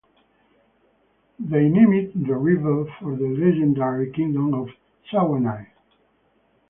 They named the river for the legendary Kingdom of Saguenay.